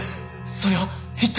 それは一体。